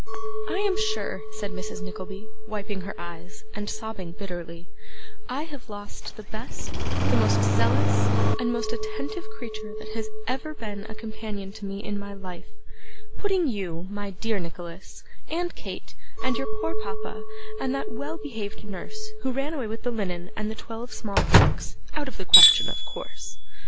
'I am sure,' said Mrs. Nickleby, wiping her eyes, and sobbing bitterly, 'I have lost the best, the most zealous, and most attentive creature that has ever been a companion to me in my life putting you, my dear Nicholas, and Kate, and your poor papa, and that well behaved nurse who ran away with the linen and the twelve small forks, out of the question, of course.